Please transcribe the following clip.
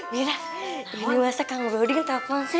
bira ini masa kak broding telfon sri